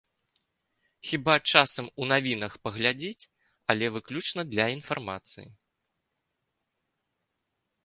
Хіба, часам у навінах паглядзіць, але выключна для інфармацыі.